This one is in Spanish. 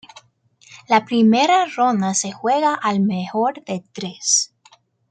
La primera ronda se juega al mejor de tres.